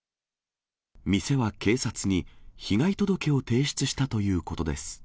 店は警察に被害届を提出したということです。